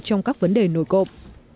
trong các vấn đề nổi cộp